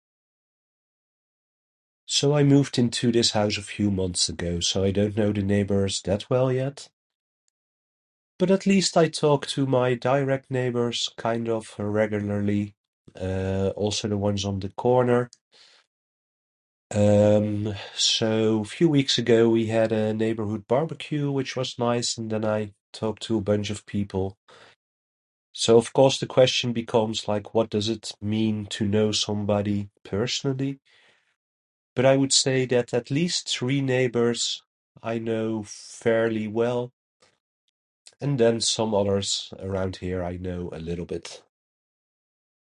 "So I moved into this house a few months ago, so I don't know the neighbors that well yet. But, at least I talk to my direct neighbors kind of regularly. Uh, also, the ones on the corner. Um, so a few weeks ago we had a neighborhood barbecue, which was nice and then I talked to a bunch of people. So, of course the question becomes, like, ""What does it mean to know somebody personally?"". But, I would say that at least three neighbors I know fairly well, and then some others around here I know a little bit."